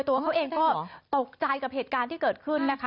ตัวเขาเองก็ตกใจกับเหตุการณ์ที่เกิดขึ้นนะคะ